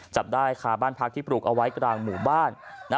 จับได้ค่ะบ้านพักที่ปลูกเอาไว้กลางหมู่บ้านนะ